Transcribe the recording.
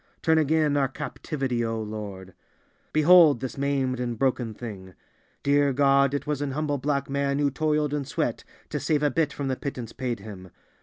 Turn again our captivity, O Lord! Behold this maimed and broken thing; dear God, it was an humble black man who toiled and sweat to save a bit from the pittance paid him.